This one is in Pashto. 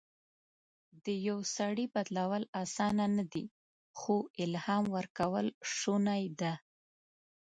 د یو سړي بدلول اسانه نه دي، خو الهام ورکول شونی ده.